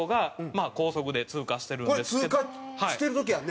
これ通過してる時やんね？